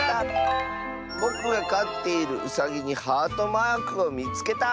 「ぼくがかっているうさぎにハートマークをみつけた！」。